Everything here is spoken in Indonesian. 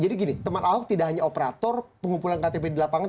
jadi gini teman ahok tidak hanya operator pengumpulan ktp di lapangan